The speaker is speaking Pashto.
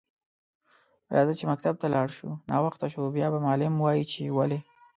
راځه چی مکتب ته لاړ شو ناوخته شو بیا به معلم وایی چی ولی